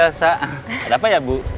eh bu elsa ada apa ya bu